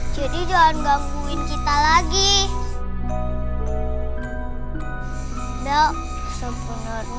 jadi jangan gangguin warga lagi hantu iya kita udah serahin yang kalian mau